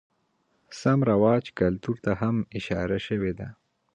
رسم رواج ،کلتور ته هم اشاره شوې ده.